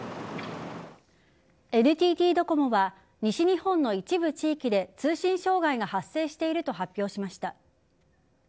ＮＴＴドコモは西日本の一部地域で通信障害が発生していると発表しました。